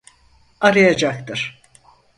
Arayacaktır.